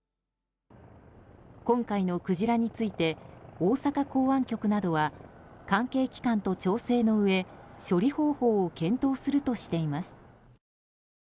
今回のクジラについて大阪港湾局などは関係機関と調整のうえ処理方法を検討するとしています。